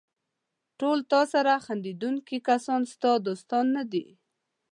ټول تاسره خندېدونکي کسان ستا دوستان نه دي.